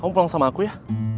kamu pulang sama aku ya